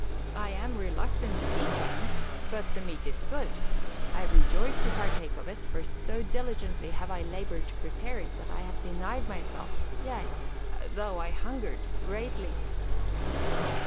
I am reluctant to eat bones. But the meat is good. I rejoice to partake of it, for so diligently have I laboured to prepare it that I have denied myself, yea, though I hungered greatly."